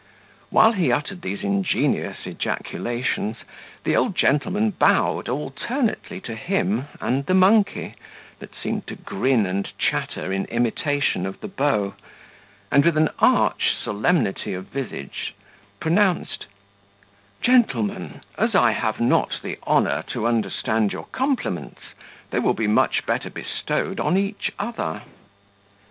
While he uttered these ingenious ejaculations, the old gentleman bowed alternately to him and the monkey, that seemed to grin and chatter in imitation of the beau, and, with an arch solemnity of visage, pronounced, "Gentlemen, as I have not the honour to understand your compliments, they will be much better bestowed on each other."